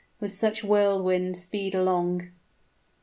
with such whirlwind speed along.